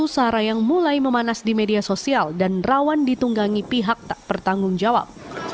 sara yang mulai memanas di media sosial dan rawan ditunggangi pihak tak bertanggung jawab